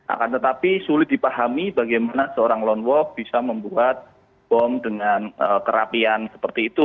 akan tetapi sulit dipahami bagaimana seorang lone wolf bisa membuat bom dengan kerapian seperti itu